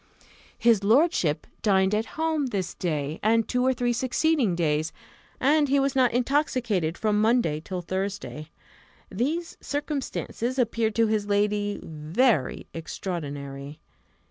His lordship dined at home this day, and two or three succeeding days, and he was not intoxicated from Monday till Thursday. These circumstances appeared to his lady very extraordinary.